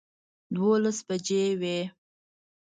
دولس بجې وې